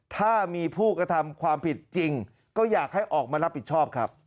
ถ้ามีผู้กระทำความผิดจริงก็อยากให้ออกมารับผิดชอบครับ